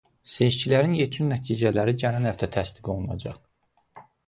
Seçkilərin yekun nəticələri gələn həftə təsdiq olunacaq.